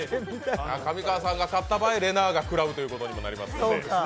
上川さんが勝った場合れなぁが食らうということになります。